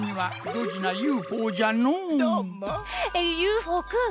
ＵＦＯくん